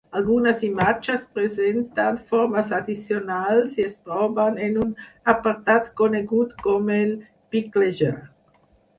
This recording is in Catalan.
Algunes imatges presenten formes addicionals i es troben en un apartat conegut com el "Picklejar".